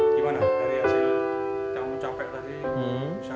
gimana dari hasil kamu capek tadi siapa ketemu kamu